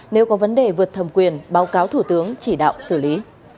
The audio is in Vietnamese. nếu có vấn đề vượt thẩm quyền báo cáo thủ tướng chỉ đạo xử lý